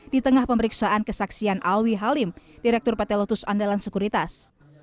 di tengah pemeriksaan kesaksian alwi halim direktur pt letus andalan sekuritas